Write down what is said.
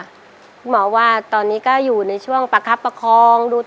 หมอว่าตอนนี้ก็อยู่ในช่วงประคับประคองดู